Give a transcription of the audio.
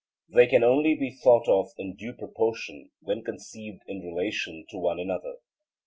They can only be thought of in due proportion when conceived in relation to one another.